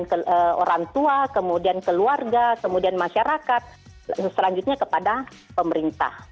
kemudian orang tua kemudian keluarga kemudian masyarakat selanjutnya kepada pemerintah